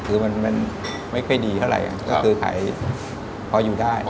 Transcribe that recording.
คือมันไม่ค่อยดีเท่าไหร่ก็คือขายพออยู่ได้